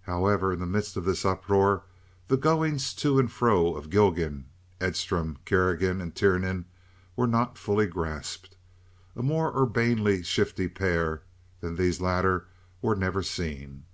However, in the midst of this uproar the goings to and fro of Gilgan, Edstrom, Kerrigan, and Tiernan were nor fully grasped. A more urbanely shifty pair than these latter were never seen.